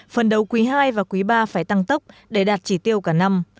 phần đầu quý ii và quý iii phải tăng tốc để đạt chỉ tiêu cả năm